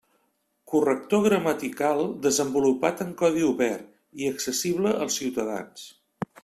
Corrector gramatical desenvolupat en codi obert i accessible als ciutadans.